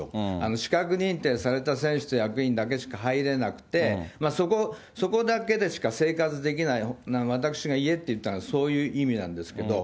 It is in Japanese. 資格認定された選手と役員だけしか入れなくて、そこだけでしか生活できない、私が家って言ったのは、そういう意味なんですけど。